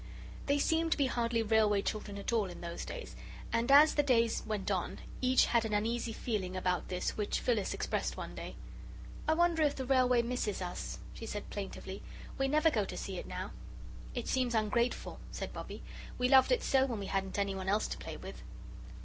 They seemed to be hardly Railway children at all in those days, and as the days went on each had an uneasy feeling about this which Phyllis expressed one day. "I wonder if the Railway misses us," she said, plaintively. "We never go to see it now." "It seems ungrateful," said Bobbie; "we loved it so when we hadn't anyone else to play with."